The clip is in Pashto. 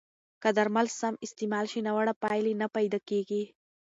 که درمل سم استعمال شي، ناوړه پایلې نه پیدا کېږي.